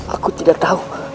aku tidak tau